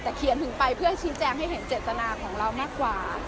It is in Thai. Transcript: แต่เขียนถึงไปเพื่อชี้แจงให้เห็นเจตนาของเรามากกว่า